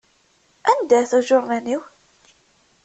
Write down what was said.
Anda-t ujernan-iw?